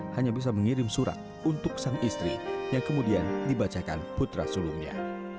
hanya bisa mengirim surat untuk sang istri yang kemudian dibacakan putra sulungnya